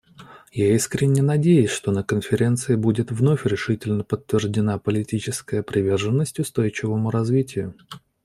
Я искренне надеюсь, что на Конференции будет вновь решительно подтверждена политическая приверженность устойчивому развитию.